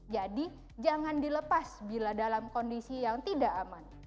jadi jangan dilepas bila dalam kondisi yang tidak aman